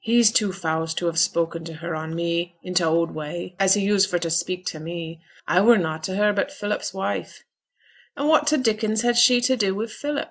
'He's too fause to have spoken to her on me, in t' old way, as he used for t' speak to me. I were nought to her but Philip's wife.' 'An' what t' dickins had she to do wi' Philip?'